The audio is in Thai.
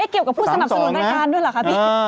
เกี่ยวกับผู้สนับสนุนรายการด้วยเหรอคะพี่